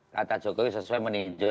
kata jokowi sesuai meninjau